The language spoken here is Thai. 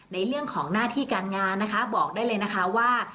ในเรื่องของหน้าที่การงานนะคะบอกได้เลยนะคะว่า